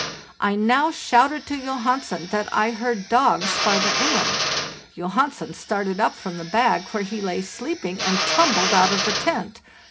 I now shouted to Johansen that I heard dogs farther inland. Johansen started up from the bag where he lay sleeping and S tumbled out of the tent.